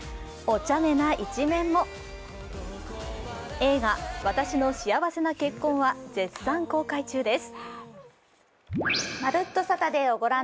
映画「わたしの幸せな結婚」は絶賛公開中です。